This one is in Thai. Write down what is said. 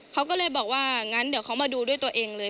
เขาก็เลยบอกว่างั้นเดี๋ยวเขามาดูด้วยตัวเองเลย